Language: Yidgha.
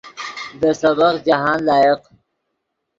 دے سبق جاہند لائق